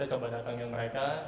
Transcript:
dasi juga kita bikin juga